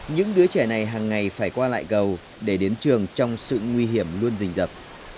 những đứa trẻ này hàng ngày phải qua lại cầu để đến trường trong sự nguy hiểm luôn dình dập